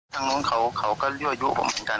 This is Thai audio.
ทางนู้นเขาก็ยั่วยุผมเหมือนกัน